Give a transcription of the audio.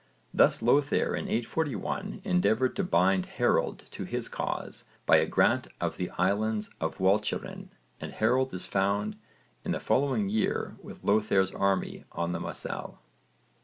Thus Lothair in 841 endeavoured to bind Harold to his cause by a grant of the Island of Walcheren and Harold is found in the following year with Lothair's army on the Moselle.